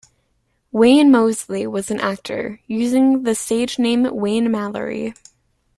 Wayne Moseley was an actor, using the stage name Wayne Mallory.